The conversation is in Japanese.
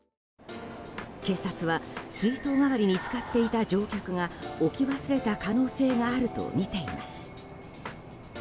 警察は水筒代わりに使っていた乗客が置き忘れた可能性があるとみています。